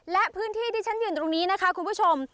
และพื้นที่ที่ฉันยืนตรงนี้นะคะคุณผู้ชม